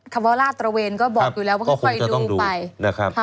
คำว่าราดตระเวนก็บอกอยู่แล้วว่าก็ค่อยดูไป